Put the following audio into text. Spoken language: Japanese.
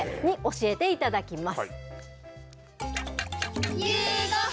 教えていただきます。